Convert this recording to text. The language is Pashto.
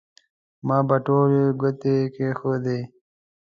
ما به ټولې ګوتې کېښودې.